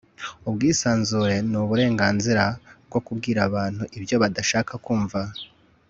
ubwisanzure ni uburenganzira bwo kubwira abantu ibyo badashaka kumva